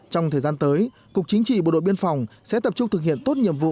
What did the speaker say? trong thời gian tới cục chính trị bộ đội biên phòng sẽ tập trung thực hiện tốt nhiệm vụ